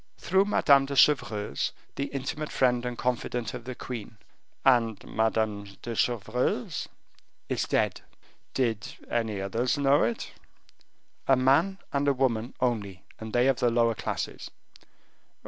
"Through Madame de Chevreuse, the intimate friend and confidante of the queen." "And Madame de Chevreuse " "Is dead." "Did any others know it?" "A man and a woman only, and they of the lower classes."